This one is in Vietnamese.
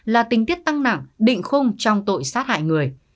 là tình tiết tăng nặng định khung trong tội sát hại người